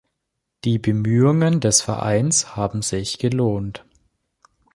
Die Bemühungen des Vereins haben sich gelohnt.